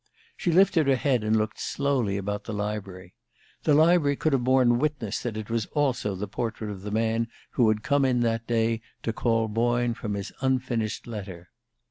She lifted her head and looked slowly about the library. The library could have borne witness that it was also the portrait of the man who had come in that day to call Boyne from his unfinished letter.